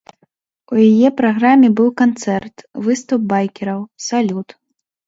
У яе праграме быў канцэрт, выступ байкераў, салют.